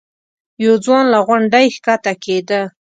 یو ځوان له غونډۍ ښکته کېده.